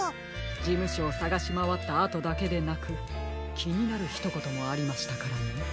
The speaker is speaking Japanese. じむしょをさがしまわったあとだけでなくきになるひとこともありましたからね。